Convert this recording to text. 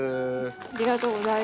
ありがとうございます。